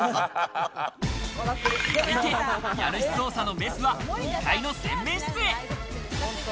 続いて家主捜査のメスは２階の洗面室へ。